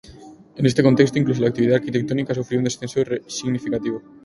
En este contexto, incluso la actividad arquitectónica sufrió un descenso significativo.